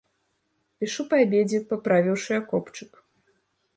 Пішу па абедзе, паправіўшы акопчык.